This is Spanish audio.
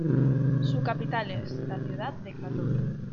Su capital es la ciudad de Klatovy.